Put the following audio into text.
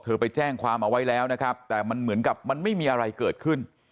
ไปแจ้งความเอาไว้แล้วนะครับแต่มันเหมือนกับมันไม่มีอะไรเกิดขึ้น